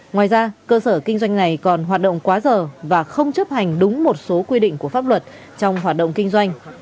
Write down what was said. ngoài ra cơ sở kinh doanh này còn hoạt động quá giờ và không chấp hành đúng một số quy định của pháp luật trong hoạt động kinh doanh